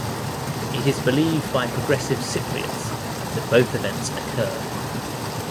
It is believed by progressive Cypriots that both events occurred.